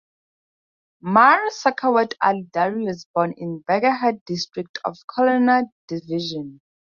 Mir Sakhawat Ali Daru was born in Bagerhat district of Khulna Division.